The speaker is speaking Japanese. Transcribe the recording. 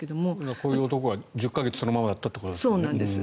こういう男が１０か月そのままだったってことですもんね。